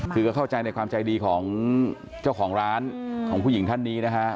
คือก็เข้าใจในความใจดีของเจ้าของร้านของผู้หญิงท่านนี้นะฮะ